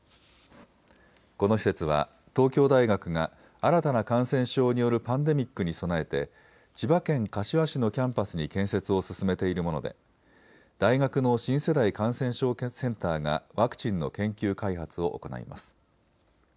この施設は東京大学が新たな感染症によるパンデミックに備えて千葉県柏市のキャンパスに建設を進めているもので大学の新世代感染症センターがワクチンの研究開発を行います。